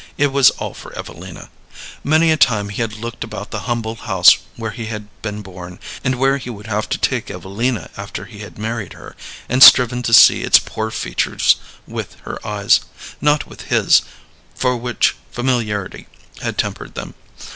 It was all for Evelina. Many a time he had looked about the humble house where he had been born, and where he would have to take Evelina after he had married her, and striven to see its poor features with her eyes not with his, for which familiarity had tempered them.